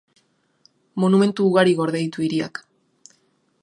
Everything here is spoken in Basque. Monumentu ugari gorde ditu hiriak.